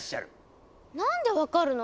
なんで分かるの？